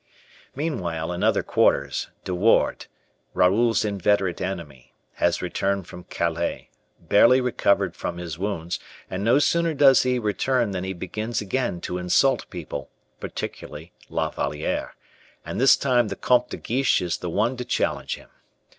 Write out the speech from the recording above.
Meanwhile, in other quarters, De Wardes, Raoul's inveterate enemy, has returned from Calais, barely recovered from his wounds, and no sooner does he return than he begins again to insult people, particularly La Valliere, and this time the comte de Guiche is the one to challenge him.